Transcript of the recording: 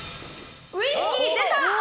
「ウイスキー」出た！